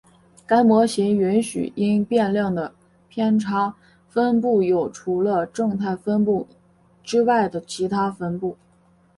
该模型允许因变量的偏差分布有除了正态分布之外的其它分布。